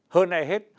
hơn ai hết